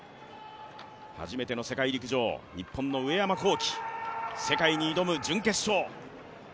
初めての世界陸上、日本の上山紘輝世界に挑む準決勝。